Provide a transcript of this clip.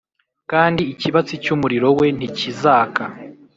kandi ikibatsi cy’umuriro we ntikizaka